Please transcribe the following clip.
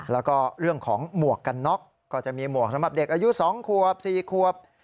แล้วก็เรื่องของหมวกกันน็อกก็จะมีหมวกสำหรับเด็กอายุ๒ขวบ๔ขวบ